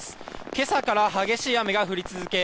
今朝から激しい雨が降り続け